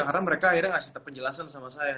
karena mereka akhirnya ngasih penjelasan sama saya